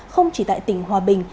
không chỉ tại tỉnh hòa bình